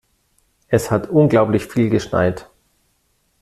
Es hat unglaublich viel geschneit.